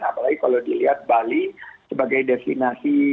apalagi kalau dilihat bali sebagai destinasi